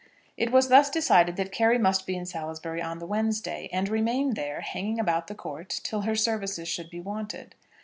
It was thus decided that Carry must be in Salisbury on the Wednesday, and remain there, hanging about the Court, till her services should be wanted.